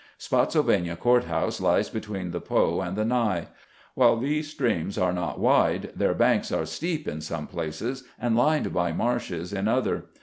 Spottsylvania Court house lies between the Po and the Ny. While these streams are not wide, their banks are steep in some places and lined by marshes in other.